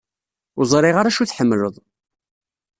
Ur ẓṛiɣ ara acu i tḥemmleḍ.